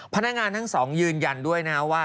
พนักงานทั้งสองยืนยันด้วยนะครับว่า